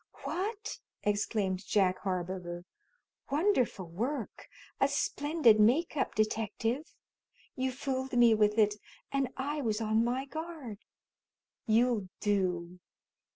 "What!" exclaimed Jack Harburger. "Wonderful work! A splendid make up, detective! You fooled me with it, and I was on my guard. You'll do.